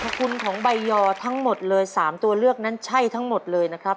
คุณของใบยอทั้งหมดเลย๓ตัวเลือกนั้นใช่ทั้งหมดเลยนะครับ